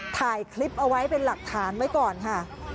ถ่ายคลิปเอาไว้เป็นหลักฐานไว้ก่อนค่ะ